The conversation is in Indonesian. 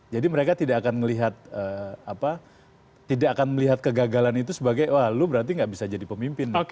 jadi mereka tidak akan melihat kegagalan itu sebagai wah lu berarti nggak bisa jadi pemimpin